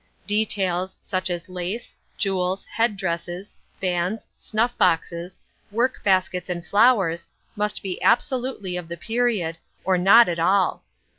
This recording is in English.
Details, such as lace, jewels, head dresses, fans, snuff boxes, work baskets and flowers must be absolutely of the period, or not at all.